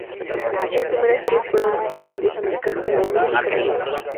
Las primeras series fueron de indios americanos, albañiles y caballeros.